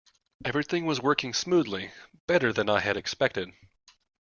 Everything was working smoothly, better than I had expected.